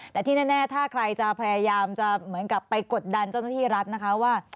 แต่ที่แน่ถ้าใครจะพยายามจะเหมือนกับไปกดดันเจ้าหน้าที่รัฐนะคะว่า